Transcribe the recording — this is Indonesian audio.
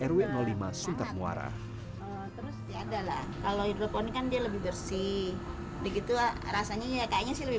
rw lima suntar muara adalah kalau hidroponik kan dia lebih bersih begitu rasanya kayaknya sih lebih